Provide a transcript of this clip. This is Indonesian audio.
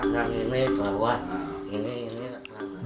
yang ini bawah ini ini